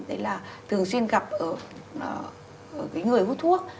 đấy là thường xuyên gặp ở người hút thuốc